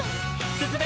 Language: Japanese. すすめ！